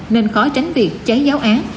nên khó tránh việc cháy giáo án